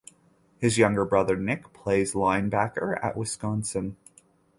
His younger brother Nick plays linebacker at Wisconsin.